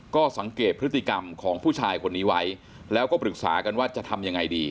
ก็สังเกตพฤติกรรมของผู้ชายคนนี้ไว้แล้วก็ปรึกษากันว่าจะทำยังไงดี